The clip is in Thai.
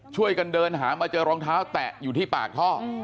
ช่วยกันเดินหามาเจอรองเท้าแตะอยู่ที่ปากท่อ